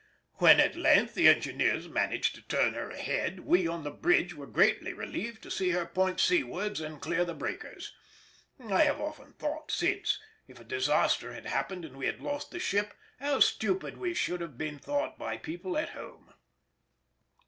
When, at length, the engineers managed to turn her ahead we on the bridge were greatly relieved to see her point seawards and clear the breakers. I have often thought since, if a disaster had happened and we had lost the ship, how stupid we should have been thought by people at home.